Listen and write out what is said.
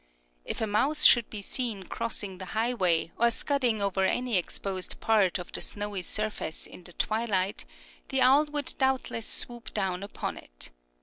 If a mouse should be seen crossing the highway, or scudding over any exposed part of the snowy surface in the twilight, the owl would doubtless swoop down upon it.